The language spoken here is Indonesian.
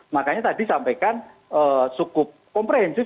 makanya tadi sampaikan cukup komprehensif